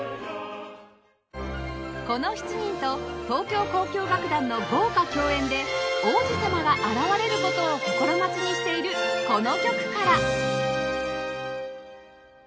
この７人と東京交響楽団の豪華共演で王子様が現れる事を心待ちにしているこの曲から